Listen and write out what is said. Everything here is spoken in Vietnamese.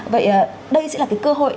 vậy đây sẽ là cái cơ hội